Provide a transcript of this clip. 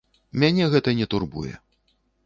Мяне гэта не турбуе.